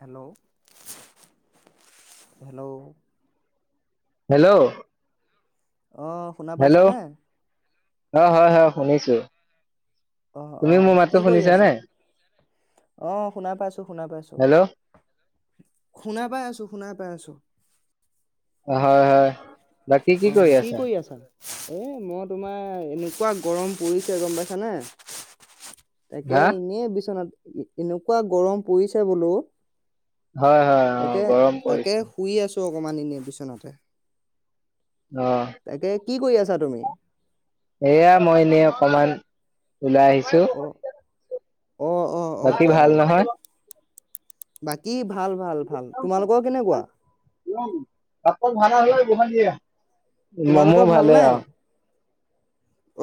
Hello hello hello অহ শুনা পাইছানে? অ হয় হয় শুনিছো। অ অ তুমিও মোৰ কি মাতটো কৰি শুনিছা আছা নে? অ শুনা পাইছো শুনা পাইছো। শুনা পাই আছো, শুনা‌ পাই আছো। হয় হয়। বাকী কি কৰি আছা? ও' মই তোমাৰ এনেকুৱা গৰম পৰিছে গম পাইছানে! তাকে হা এনেই বিচনাত এনেকুৱা গৰম পৰিছে বুলু হয় হয়, অ' গৰম পৰিছে। শুই আছো অকমান নিয়া বিচনাতে অঁ। তাকে কি কৰি আছা তুমি? এয়া মই নেই অকমান ওলাই আহিছো। অ অ অ অ বাকী অ ভাল নহয়? বাকী [unintelligible] ভাল, ভাল, ভাল, তোমালোকৰ কেনেকোৱা? উ কাপত ভাড়া হয় গোহ দিয়া [unintelligible] মোৰ ভালে আৰু।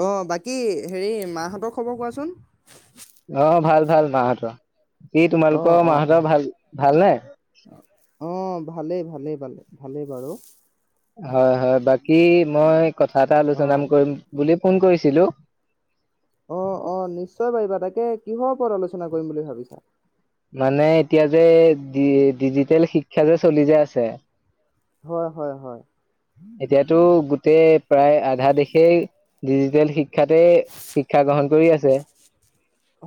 অঁ, বাকী হেৰি মাহঁতৰ খবৰ কোৱাচোন! অ ভাল ভাল মাহতৰ। কি, অ', তোমালোকৰ অ', মাহতৰ ভাল নে? অ'ভালেই ভালেই বাৰু। হয়, হয়, বাকী মই কথা এটা আলোচনা অ'। কৰিম বুলি। ফোন কৰিছিলো। অ', অ', নিশ্চয় পাৰিবা, তাকে কিহৰ ওপৰত আলোচনা কৰিম বুলি ভাবিছা। মানে এতিয়া যে ডি ডিজিটেল শিক্ষা যে চলি যে আছে। হয়, হয়, হয়। এতিয়াতো গোটেই প্ৰায় আধা দেশেই ডিজিটেল শিক শিক্ষাতে শিক্ষা গ্ৰহণ কৰি আছে। যে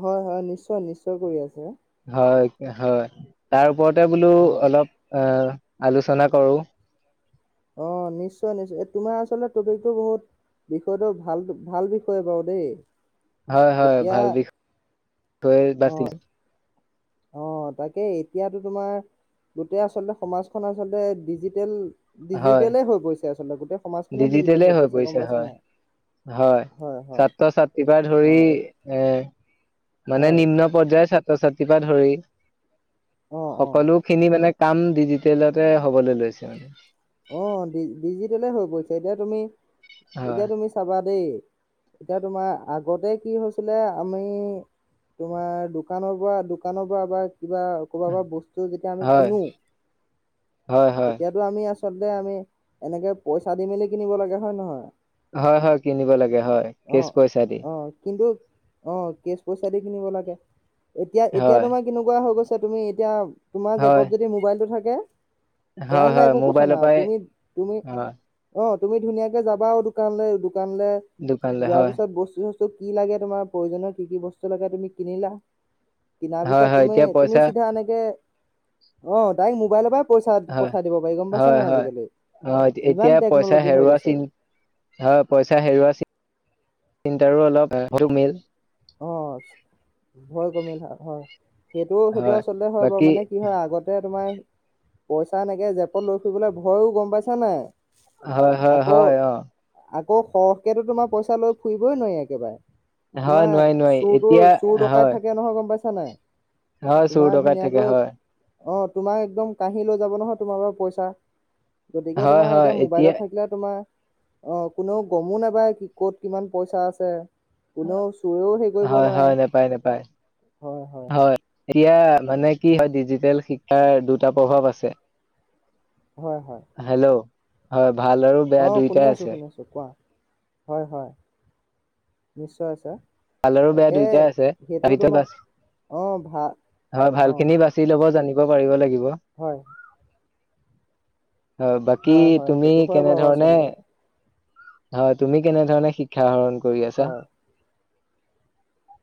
হয় হয়, নিশ্চয়, নিশ্চয় কৰি আছে। হয়, হয়, তাৰ ওপৰতে বোলো হয়। অলপ অ' আলোচনা কৰো। অ', নিশ্চয় নিশ্চয় তোমাৰ আচলতে টপিকটো বহুত বিষয়টো ভাল ভাল বিষয় বাৰু দেই। হয় হয় এতিয়া ভাল বিষয় বাচি অ', অ' তাকে এতিয়াতো তোমাৰ গোটেই আচলতে সমাজখন আচলতে ডিজিটেল। হয় ডিজিটেলে হৈ গৈছে। ডিজিটেলে হৈ পৰিছে পাইছা হয়। নাই? হয় হয় অ এই- মানে হয় নিম্ন পৰ্যায়। ছাত্ৰ-ছাত্ৰীকে ধৰি। অ অ সকলো খিনি মানে কাম ডিজিটেলতে হ'বলৈ লৈছে মানে। অ', ডিজিটেলে হৈ পৰিছে এতিয়া তুমি হয় এতিয়া তুমি চাবা। দেই, এতিয়া তোমাৰ আগতে কি হৈছিলে আমি তোমাৰ দোকানৰ পৰা দোকানৰ পৰা বা কিবা ক'ৰবাৰ পৰা বস্তু যেতিয়া আমি হয় কিনো, হয় হয় তেতিয়াতো আমি আ চবে আমি এনেকে পইচা দি মেলি কিনিব লাগে হয় নে নহয়? হয় হয় কিনিব লাগে হয়, অ কেচ পইচা দি অ কিন্তু অ', কেচ পইচা দি কিনিব লাগে। এতিয়া এতিয়া হয় তোমাৰ কেনেকুৱা হৈ গৈছে। তুমি এতিয়া তোমাৰ হয়, জেপত যদি মোবাইলটো থাকে। থাকে। হয় হয় মোবাইল আপোনী তুমি অঁ, তুমি ধুনীয়াকে যাবা আৰু দোকানলৈ দানে দোকানলৈ যোৱাৰ হয়, পিছত বস্চুচ ক'ত কি লাগে তোমাৰ প্ৰয়োজনৰ কি কি বস্তু লাগে তুমি কিনিলা? কিনাৰ হয়, পিছত হয় তুমি, এতিয়া তুমি পইচা চিধা এনেকে অঁ, তাইক মোবাইলৰ পৰা পইচা হয়, পঠা দিব পাৰি গম পাইছ হয়, হয়, অঁ, এতিয়া পইচা টেকনলজি হৈ হেৰুৱা গৈছে চিন, হয়, পইচা হেৰুওৱা চি তিনটাৰো অলপ [unintelligible] মিল। অ ভয় কমিল হয়। সেইটো সেইটো হয় আচলতে হয় বাৰু বাকী মানে কি হয় আগতে তোমাৰ পইচা এনেকে জেপত লৈ ফুৰিবলৈ ভয়ো গম পাইছা নাই হয়! হয় আকৌ হয় অ! আকৌ সৰহকেতো তোমাৰ পইচা লৈ ফুৰিবই নোৱাৰি একেবাৰে। হয় তোমাৰ নোৱাৰি, নোৱাৰি চুৰ এতিয়া তোৰ চুৰ হয়, ডকাইত থাকে নহয় গম পাইছা [unintelligible] হয় চোৰ তোমাৰ ডকাইট থাকে ধুনীয়াকৈ হয়। অ তোমাক একদম কহি লৈ যাব নহয় তোমাৰ পৰা পইচা। গতিকে হয়, তোমাৰ হয় এতিয়া মোবাইলত থাকিলে তোমাৰ অ কোনেও গমো নাপায় কি ক'ত কিমান পইচা আছে কোনোচ হয় হয় নাপায় নাপায় হয় [unintelligible] মানে কি অ হয় ডিজিটেল শিক হে দুটা প্ৰভাৱ আছে। হয় হয় হেল্ল'। হয়! ভাল আৰু বেয়া অ শুনি দুইটাই আছো আছে। শুনি আছো কোৱা হয়, হয়, নিশ্চয় আছে। ভালৰো বেয়া দুইটাই আছে। তোমাৰ [unintelligible] অ ভা অ ভাল খিনি বাচি লব জানি পাৰিব লাগিব। হয়। হয় বাকী হয় তুমি সেইটো হয় বাৰু কেনেধৰণে আচলতে হয় তুমি কেনেধৰণে শিক্ষ আহৰণ কৰি আছা হয় অ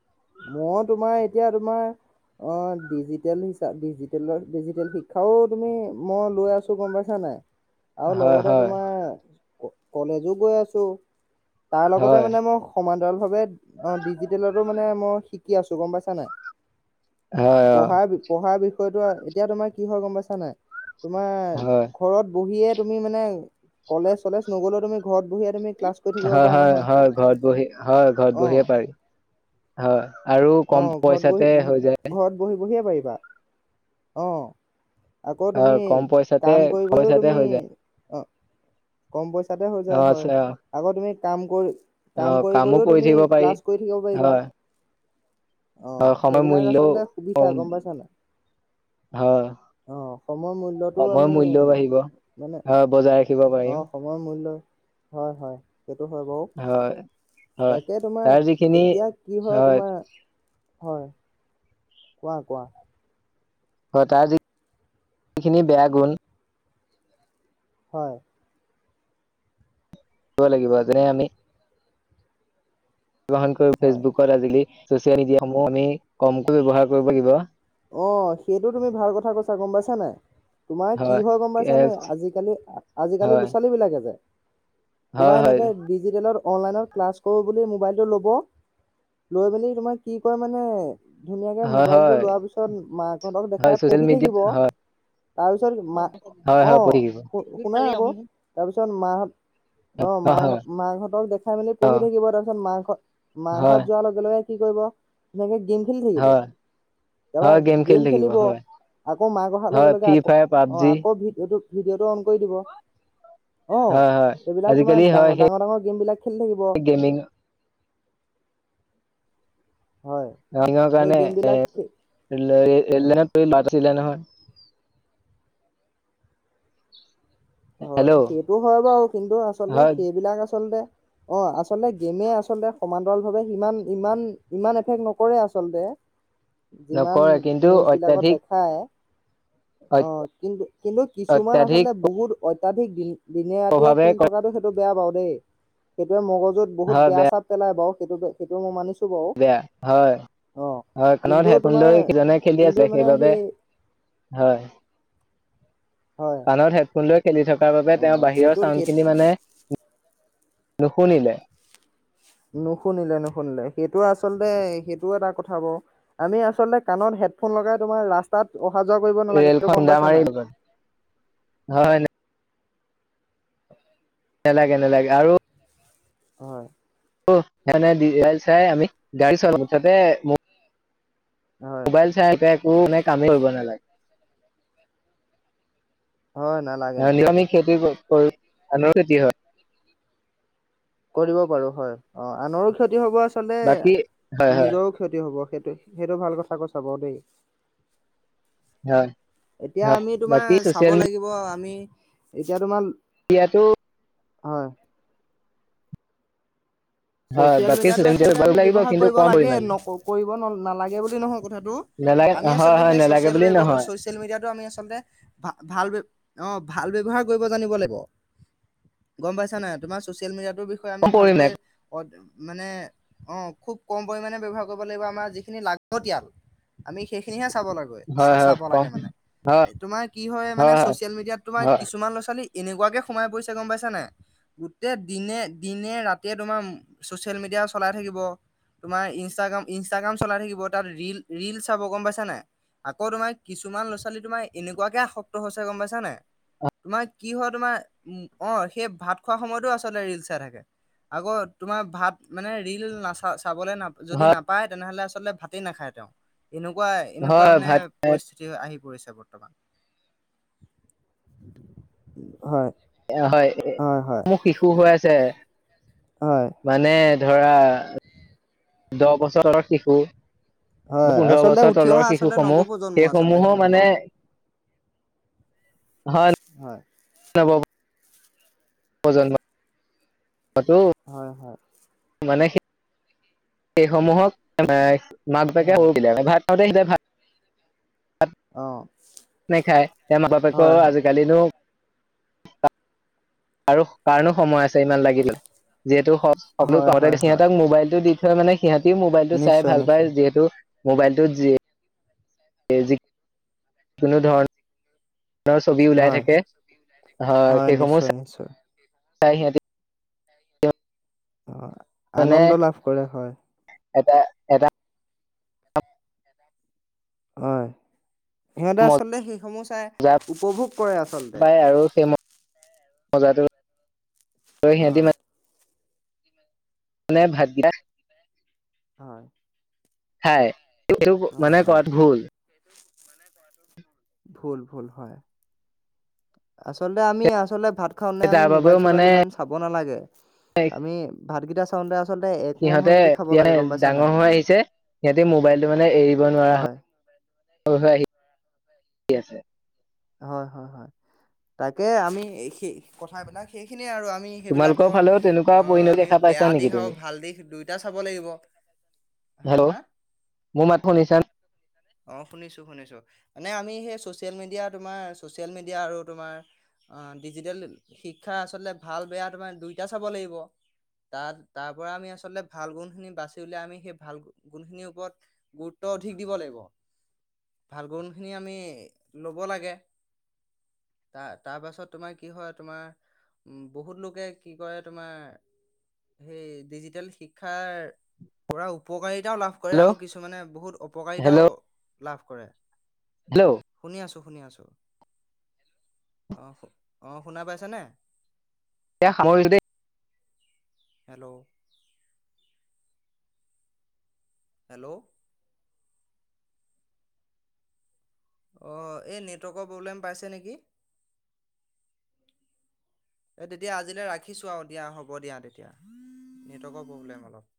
মই তোমাৰ এতিয়া তোমাৰ অ ডিজিটেল হিচাপ ডিজিটেলৰ ডিজিটেল শিক্ষাও তুমি মই লৈ আছো গম পাইছা নাই আৰু হয় লগতে হয় তোমাৰ কলেজো গৈ আছো তাৰ লগতে হয় মানে মই সমান ভ অিি মানে আম শিক কি আছো গম পাইছা নাই হয় অ পঢ়া পঢ়াৰ বিষয় কৈত আৰু এতিয়া তোমাৰ কি হয় গম পাইছা নাই তোমাৰ হয় ঘৰত বহিয়ে তুমি মানে কলেজ চলেজ নগ'লেও তুমি ঘৰত বহিয়ে তুমি ক্লাছ কৰি থাকিব হয় পাৰা হয় নহয় হয় ঘৰত বহি হয় ঘৰত অ বহিয়ে পাৰি হয় আৰু কম পইচাতে হৈ যায় বুঢ়িয়ে পাৰিবা অঁ আকৌ তুমি হয় কম পইচাতে কাম কৰি কৰিও পইচাতে তুমি হৈ যায় অ কম বৈছ াতে হৈ অ যায় হয় আচ্ছা, আগৌ তুমি কাম কৰি অ কাম কৰি কামো কৰিও তুমি থাকিব পাৰি ক্লাছ কৰি থাকিব পাৰিবা হয় অ হয় সময় সেইবিলাক মূল্যও আচলতে সুবিধা কম গম পাইছানে হয় অ সময়ৰ মূল্্যটো সময়ৰ আমি মূল্যও বাঢ়িব মানে হয় বজাই ৰাখিব অ পাৰিম সময়ৰ মূল্যয় হয় হয় সেইটো হয় বাৰু হয় হয় তাকে তোমাৰ তাৰ যিখিনি এতিয়া কি হয় তোমাৰ হয় কোৱা কঁোৱা ঘতাৰ যখিনি বেয়া গুণ হয় দিব লাগিব তেনে আমি ্ৰহন কৰি হয় ফেচবুকৰত আজিকালি চচিয়েল মিডিয়াসমূহ আমি কমকৈ ব্যৱহাৰ কৰিব লাগিব অঁ সেইটো তুমি ভাল কথা কৈছা গম পাইছান নাই তোমাৰ কি হয় গম পাইছানে আজিকালি আজিকালি ল'ৰা হয় ছোৱালী বিলাকে যে তোমাৰ হয় হয় এনেকে ডিজিটেলত অনলাইনত ক্লাছ কৰোঁ বুলি মোবাইলটো ল'ব লৈ মেলি তোমাৰ কি কয় মানে ধুনীয়াকে হয় মোবাইলটো হয় লোৱাৰ পিছত পিছত মাকহঁতক হয় দেখাই ছচিয়েল পঢ়ি মিডিয়াত থাকিব হয় তাৰপিছত মা হয় হয় অঁ পঢ়ি শু শুনা আকৌ থাকিব তাৰপিছত মাকহত অ' মাক মাকহঁতক দেখাই মেলি অ পঢ়ি থাকিব তাৰপিছত মাকৰত মাক ঘৰত হয় যোৱাৰ লগে লগে কি কৰিব এনেকে গেম খেলি থাকিব হয় তাৰপৰা হয় খেলি গেম থাকিব খেলিব হয় আকৌ মাক অহাৰ লগে হয় লগে ফ্ৰী আকৌ ফায়াৰ অঁ পাবজি আকৌ ভিত এইটো ভিডিঅ'টো অন অন কৰি দিব হয় হয় এই বিলাক আজিকালি হয় ডাঙৰ সেই ডাঙৰ গেমবিলাক খেলি থাকিব গেমিং হয় সেই গেম বিলাক [unintelligible] নাছিলে নহয় হয় হেল্ল' সেইটো হয় বাৰু কিন্তু আচলতে হয় সেইবিলাক আচলতে অঁ আচলতে গেমে আচলতে সমান্তৰালভাৱে সিমান ইমান ইমান এফেক্ট নকৰে আচলতে যিমান নকৰে কিন্তু নিউজ বিলাকত অত্যাধিক দেখায় অ' কিন্তু কিন্তু কিছুমান অত্যাধিক আচলতে বহুত অত্যাধিক দিন দিনে ৰাতিয়ে প্ৰভাৱে খেলি কৰে থকাটো সেইটো বেয়া পাওঁ দেই সেইটোয়ে মগজ য'ত বহুত বেয়া চাপ পেলাই বাৰু সেইটো সেইটো মই মানিছো বাৰু বেয়া হয় অ হয় কাণত কিন্তু হেডফোন তোমাৰ লৈ সিজনে খেলি কিন্তু আছে মানে সেইবাবে সেই হয় হয় কানৰ হেড কলে খেলি থকাৰ বাবে অ তেওঁৰ বাহিৰৰ সেইটো চাউণ্ড সেই খিনি মানে নুশুনিলে নুশুনিলে নুশুনিলে সেইটো আচলতে সেইটো এটা কথা বাৰু আমি আচলতে কাণত হেডফোন লগাই তোমাৰ ৰাস্তাত অহা যোৱা কৰিব নালাগে ৰেল সেইটো গম খুণ্দা পাইছা মাৰি নাই? দিব হয় ন নেলাগে নেলাগে আৰু হয় অঁ এনেই ভিডিঅ চাই আমি গাড়ী চলাও মুঠতে ম' হয় মোবাইল চা এতিয়া। মোৰ মানে কামেই হব নালাগে। হয় নালাগে নালাগে নিয়মিক খেতি কৰি। ধানৰ খেতি হয়। কৰিব পাৰো হয়, অ আনৰো ক্ষতি হব আছ। বাকী হয় আচলতে হয় নিজৰও ক্ষতি হব সেই। সেই সেইটো ভাল কথা কৈছা বাৰু দেই। হয় এতিয়া হয় আমি বাকী তোমাৰ চাব চচিয়েল লাগিব আমি। এতিয়া তোমাৰ। এতিয়াতো। হয়। হয় ছ'চিয়েল বাকী মিডিয়াটো চচিয়েল মিডিয়া আচলতে কৰিব আমি লাগিব ব্যৱহাৰ কিন্তু কৰিব কম লাগে পৰিমাণে ন কৰিব ন নালাগে বুলি নহয় কথাটো নেলাগে আমি হয় আচলতে হয় সেই নেলাগে ছ'চিয়েল বুলি ব্যৱ নহয় ছ'চিয়েল মিডিয়াটো আমি আচলতে ভা ভাল ব্যৱ অ। ভাল ব্যৱহাৰ কৰিব জানিব লাগিব গম পাইছ নাই তোমাৰ ছ'চিয়েল মিডিয়াত। সেইতোৰ বিষয়ে আমি কম পৰিম নাই ভালকৈ। মানে অ খুব কম পৰিমাণে ব্যৱহাৰ কৰিব লাগিব আমাৰ যিখিনি লাগতিয়াল আমি সেইখিনিহে আচলতে। চাব লাগে চা হয় হয় চাব কম লাগে মানে হয় তোমাৰ কি হয় মানে ছ'চিয়েল মিডিয়াত তোমাৰ হয় কিছুমান লৰা, ছোৱালী। এনেকোৱাকে সোমাই পৰিছে গম পাইছ নাই গোটেই দিনে, দিনে ৰাতিয়ে তোমাৰ। ছ'চিয়েল মিডিয়া চলাই থাকিব, তোমাৰ ইনষ্টাগ্ৰাম, ইনষ্টাগ্ৰাম চলাই থাকিব তাত ৰিল ৰিল চাব গম পাইছা নাই, আকৌ তোমাৰ কিছুমান ল'ৰা ছোৱালী তোমাৰ এনেকুৱাকে আসক্ত হৈছে গম পাইছা নাই, তোমাৰ কি হয় তোমাৰ অ সেই ভাত খোৱাৰ সময়তো লৰা, ছোৱালীৱে আচলতে ৰিল চাই থাকে আকৌ। তোমাৰ ভাত মানে ৰিল নাচা চা। চাবলৈ নাপ যদি হয় নাপায় তেনেহলে আচ। ভাতেই নাখায় তেওঁ। এনেকুৱা, এনেকুৱা হয় মানে ভাত পৰিস্থিতি আহি। বৰ্তমান হয়। এয়া হয় এ মোৰ শিশু হৈ আছে। হয় মানে ধৰা দহ বছৰ। শিশু। বাৰ, হয় পোন্ধৰ আচলতে বছৰ উঠি তলৰ অহা শিশু আচলতে সমূহ নৱপ্ৰজন্ম সেই আচলতে সমূহো মানে। সেইসকল হয়। নৱপ্ৰ। প্ৰজন্ম। হয়, হয়। মানে সেই। সেইসমূহক এ নাই। মাক বাপেকে হয় সৰু বিলাই‌ আনে ভাত। আৰু দেল দে ভাত। ভাত অ নেখায় এ মা হয় বাপেকৰ হয় আজিকালিটো আৰু কাৰণো সময় আছে ইমান লাগিবলে যিহেতু সকলো হয় হয় ঘৰতে হয় সিহঁতক মোবাইলটো দি [unintelligible] সিহঁতিও মোবাইলটো চাই নিশ্চয় ভাল নিশ্চয় পায় যিহেতু মোবাইলটোত যিয়ে যিকোনো ধৰণৰ ছবি ওলাই হয় থাকে হয় সেইসমূহম নিশ্চয় নিশ্চয় চা সিহঁতি অ' মানে আনন্দ লাভ কৰে হয় এটা এটা হয় সিহঁতে আচলতে সেইসমূহ চাই মজা উপভোগ কৰে আচলতে মজাতো লয় লৈ সিহঁতি হয় মানে মানে ভাত কিতা হয় খায় এইটো হয় মানে হয় কৰাত ভুল ভুল ভুল হয় আচলতে আমি আচলতে ভাত খাওতে আমি তাৰ বাবেও মোবাইল চোবাইল মানে ইমান চাব নালাগে আমি ভাতকেইটা খাওঁতে সিহঁতে এতিয়া ডাঙৰ হৈ আহিছে সিহঁতে মোবাইলটো মানে এৰিব নোৱাৰা হয় হয় হৈ হৈ আহি ঠিক আছে হয় হয় হয় তাকে আমি সেই কথাবিলাক সেইখিনি আৰু আমি তোমালোকৰ সেইবিলাকৰ ফালেও তেনেকুৱা অ' পৰিণতি আমি দেখা পাইছা বেয়া নেকি দিশ আৰু তুমি ভাল দিশ দুয়োটা চাব লাগিব হা হেল্ল' হা মোৰ মাত শুনিছা অঁ শুনিছো শুনিছো মানে আমি সেই চচিয়েল মিডিয়া তোমাৰ চচিয়েল মিডিয়া আৰু তোমাৰ আহ ডিজিটেল অঁ অঁ শুনিছো শুনিছো মানে সেই চচিয়েল মিডিয়া আৰু ডিজিটেল শিক্ষা আচলতে ভাল বেয়া তোমাৰ দুইটা চাব লাগিব তাত তাৰ পৰা আমি আচলতে ভাল গুণ খিনি বাচি উলিয়াই আমি সেই ভাল গুণখিনিৰ ওপৰত গুৰুত্ব অধিক দিব লাগিব ভাল গুণ খিনি আমি লব লাগে তাৰ তাৰ পাছত তোমাৰ কি হয় তোমাৰ উম বহুত লোকে কি কৰে তোমাৰ সেই ডিজিটেল শিক্ষাৰ পুৰা উপকাৰিতাও লাভ কৰে হেল্ল' আৰু কিছুমানে বহুত অপকাৰিতাও হেল্ল' লাভ কৰে হেল্ল' শুনি আছো শুনি আছো অঁ অঁ শুনা পাইছেনে এই সামৰিলো দেই হেল্ল' হেল্ল' অ' এই নেটৱৰ্কৰ প্ৰব্লেম পাইছে নেকি এই তেতিয়া আজিলৈ ৰাখিছো আৰু দিয়া হ'ব দিয়া তেতিয়া নেটৱৰ্কৰ প্ৰবলে অলপ